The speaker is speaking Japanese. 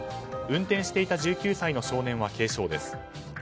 運転していた１９歳の少年は軽傷です。